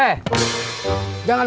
eh jangan bawa dimari